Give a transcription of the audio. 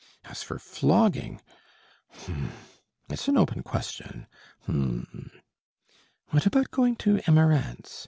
As for flogging, h'm! ... it is an open question, h'm!... What about going to Emerance?